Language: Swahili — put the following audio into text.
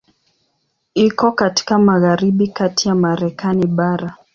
Iko katika magharibi kati ya Marekani bara.